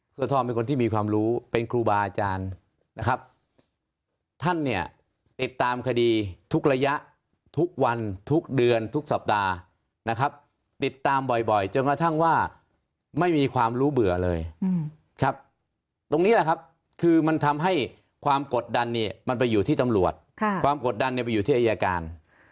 เพื่อทอมเป็นคนที่มีความรู้เป็นครูบาอาจารย์นะครับท่านเนี่ยติดตามคดีทุกระยะทุกวันทุกเดือนทุกสัปดาห์นะครับติดตามบ่อยจนกระทั่งว่าไม่มีความรู้เบื่อเลยครับตรงนี้แหละครับคือมันทำให้ความกดดันเนี่ยมันไปอยู่ที่ตำรวจความกดดันเนี่ยไปอยู่ที่อายการ